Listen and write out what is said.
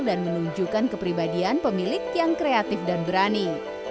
dan menunjukkan kepribadian pemilik yang kreatif dan berani